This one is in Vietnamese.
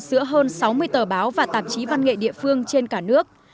giữa hơn sáu mươi tờ báo và tạp chí văn nghệ địa phương trên cả nước